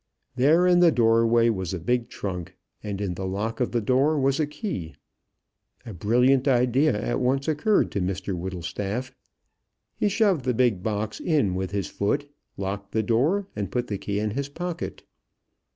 There, in the doorway, was a big trunk, and in the lock of the door was a key. A brilliant idea at once occurred to Mr Whittlestaff. He shoved the big box in with his foot, locked the door, and put the key in his pocket.